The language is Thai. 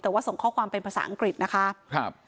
แต่ว่าส่งข้อความเป็นภาษาอังกฤษนะคะครับ